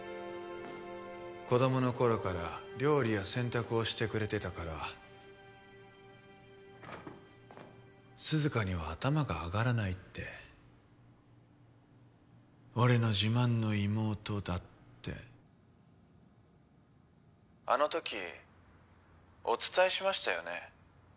子供の頃から料理や洗濯をしてくれてたから涼香には頭が上がらないって俺の自慢の妹だってあの時お伝えしましたよね